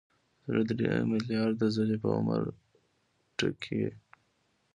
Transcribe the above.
زړه درې ملیارده ځلې په عمر ټکي.